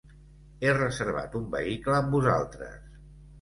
He reservat un vehicle amb vosaltres.